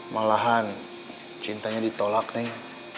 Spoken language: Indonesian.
malahan cintanya ditolak neng